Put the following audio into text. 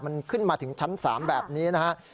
มันขึ้นมาถึงชั้น๓แบบนี้นะครับ